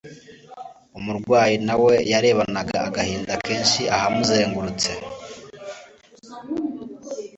Umurwayi na we yarebanaga agahinda kenshi ahamuzengurutse.